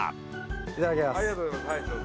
いただきます！